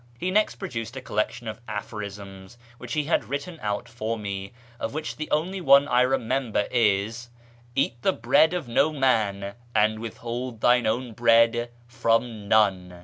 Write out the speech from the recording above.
He next produced a collection of aphorisms which lie had written out for me, of which the only one I remember is, " Eat the bread of no man, and withhold thine own bread from none."